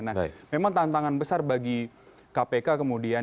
nah memang tantangan besar bagi kpk kemudian